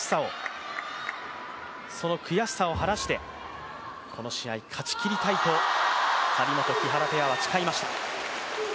その悔しさを晴らしてこの試合、勝ちきりたいと張本・木原ペアは誓いました。